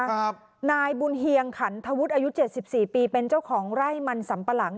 ครับนายบุญเฮียงขันทวุฒิอายุเจ็ดสิบสี่ปีเป็นเจ้าของไร่มันสำปะหลัง